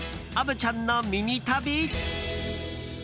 虻ちゃんのミニ旅。